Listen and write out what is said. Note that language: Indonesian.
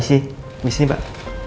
di sini pak